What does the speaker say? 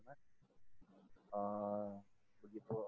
soalnya percaya dirinya rendah